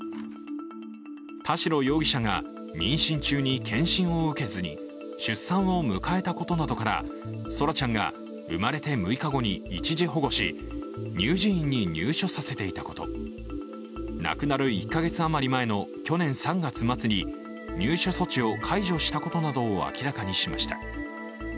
田代容疑者が妊娠中に健診を受けずに出産を迎えたことなどから、空来ちゃんが生まれて６日後に一時保護し、乳児院に入所させていたこと、亡くなる１か月余り前の去年３月末に入所措置を解除したことなどを明らかにしました。